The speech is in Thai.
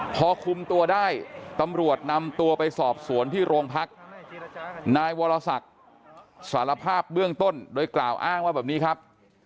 พอคุมตัวได้ตำรวจนำตัวไปสอบสวนที่โรงพักนายวรศักดิ์สารภาพเบื้องต้นโดยกล่าวอ้างว่าแบบนี้ครับ